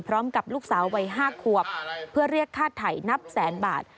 พร้อมกับลูกสาววัย๕ขวบเพื่อเรียกค่าไถ่นับแสนบาท